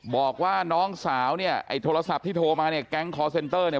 บอกว่าน้องสาวเนี่ยไอ้โทรศัพท์ที่โทรมาเนี่ยแก๊งคอร์เซ็นเตอร์เนี่ย